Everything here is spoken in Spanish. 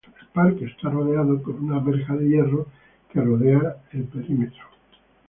El parque está rodeado por una reja de hierro que bordea el perímetro.